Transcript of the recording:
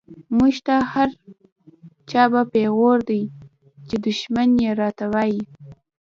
مونږ ته هر “شابه” پیغور دۍ، چی دشمن یی راته وایی